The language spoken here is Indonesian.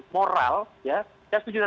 moral saya sujudikan